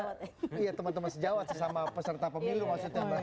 kita lihat teman teman anda teman sejawat anda yang ada di parlement punya teman teman sejawat